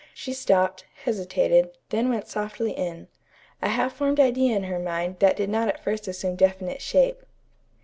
She stopped, hesitated, then went softly in, a half formed idea in her mind that did not at first assume definite shape.